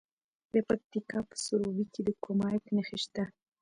د پکتیکا په سروبي کې د کرومایټ نښې شته.